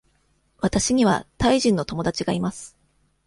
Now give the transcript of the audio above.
わたしにはタイ人の友達がいます。